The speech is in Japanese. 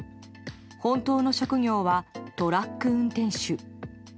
本当の職業はトラック運転手。